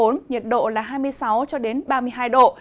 nhiệt độ là hai mươi sáu cho đến ba mươi hai độ